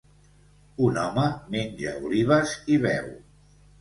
Un home menja olives i beu.